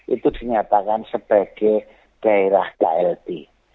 itu dinyatakan sebagai daerah klb